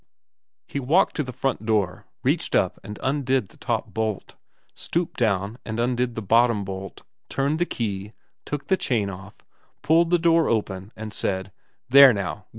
He walked to the front door, reached up and undid the top bolt, stooped down and undid the bottom bolt, turned the key, took the chain off, pulled the door open, and said, ' There now.